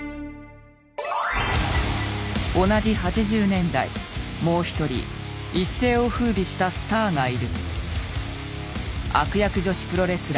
同じ８０年代もう一人一世をふうびしたスターがいる。